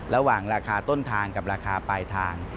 ระหว่างราคาต้นทางกับราคาปลายทาง